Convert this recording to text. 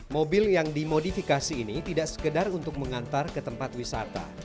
mobil yang dimodifikasi ini tidak sekedar untuk mengantar ke tempat wisata